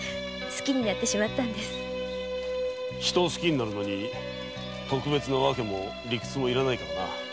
人を好きになるのには理屈も何も要らないからな。